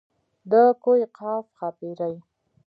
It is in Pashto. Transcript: د کوه قاف ښاپېرۍ.